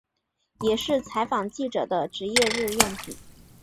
也是采访记者的职业日用品。